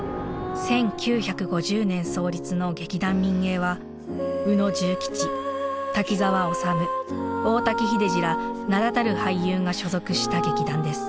１９５０年創立の「劇団民藝」は宇野重吉滝沢修大滝秀治ら名だたる俳優が所属した劇団です。